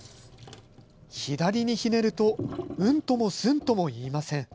左にひねるとうんともすんとも言いません。